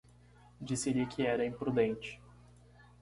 disse-lhe que era imprudente